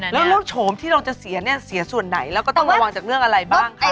แล้วโฉมที่เราจะเสียเนี่ยเสียส่วนไหนแล้วก็ต้องระวังจากเรื่องอะไรบ้างคะ